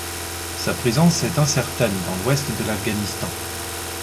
Sa présence est incertaine dans l'ouest de l'Afghanistan.